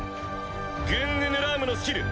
グングヌラームのスキル